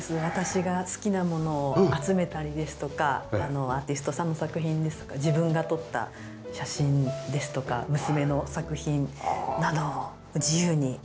私が好きなものを集めたりですとかアーティストさんの作品ですとか自分が撮った写真ですとか娘の作品などを自由に。